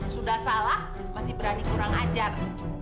sudah salah masih berani kurang ajar